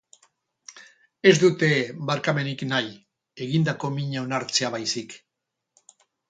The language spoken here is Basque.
Ez dute barkamenik nahi, egindako mina onartzea baizik.